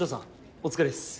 お疲れっす。